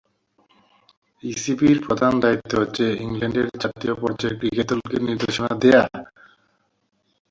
ইসিবি’র প্রধান দায়িত্ব হচ্ছে ইংল্যান্ডের জাতীয় পর্যায়ের ক্রিকেট দলকে নির্দেশনা দেয়া।